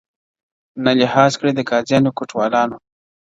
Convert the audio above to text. نه لحاظ کړي د قاضیانو کوټوالانو٫